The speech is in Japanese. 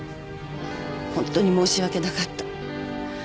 ホントに申し訳なかった。